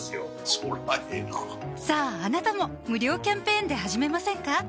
そりゃええなさぁあなたも無料キャンペーンで始めませんか？